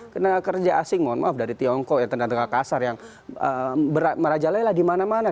tenaga kerja asing mohon maaf dari tiongkok tenaga kasar yang merajalela di mana mana